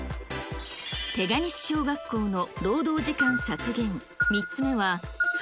手賀西小学校の労働時間削減。